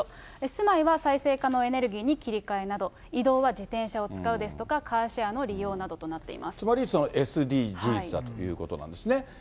住まいは、再生可能エネルギーに切り替えなど、移動は自転車を使うですとか、カーシェアの利用などとなっていまつまり、ＳＤＧｓだということですね。